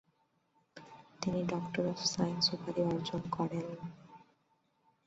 তিনি doctor of science উপাধি অর্জন করেন।